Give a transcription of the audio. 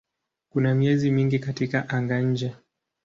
Kuna miezi mingi katika anga-nje.